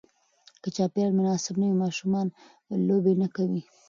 که چاپېریال مناسب نه وي، ماشومان لوبې نه کوي.